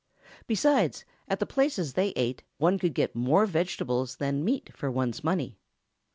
Besides, at the places they ate, one could get more vegetables than meat for one's money.